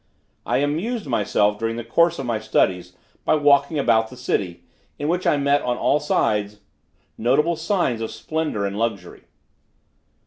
I amused myself during the course of my studies by walking about the city, in which I met on all sides notable signs of splendor and luxury.